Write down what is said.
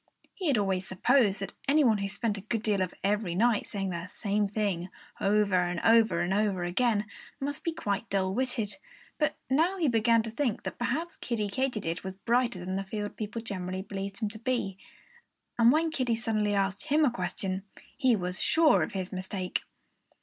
He had always supposed that any one who spent a good part of every night saying the same thing over and over and over again must be quite dull witted. But now he began to think that perhaps Kiddie Katydid was brighter than the field people generally believed him to be. And when Kiddie suddenly asked him a question, he was sure of his mistake.